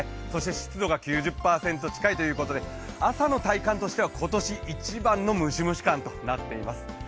湿度が９０％近いということで朝の体感としては今年一番のムシムシ感となっています。